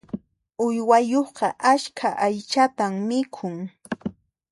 Uywayuqqa askha aychatan mikhun.